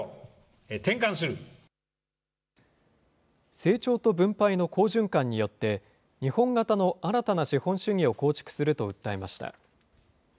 成長と分配の好循環によって、日本型の新たな資本主義を構築すると訴えました。